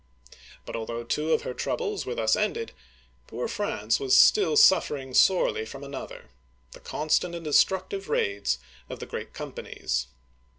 But, although two of her troubles were thus ended, poor France was still suffering sorely from another, the constant and destructive raids of the Great Companies.